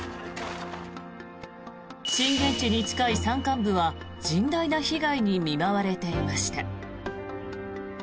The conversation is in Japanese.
震源地に近い山間部は甚大な被害に見舞われていました。